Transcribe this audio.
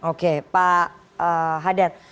oke pak hadad